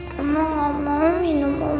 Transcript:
mama gak mau minum obat